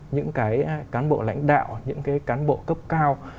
những cái cán bộ lãnh đạo những cái cán bộ cấp cao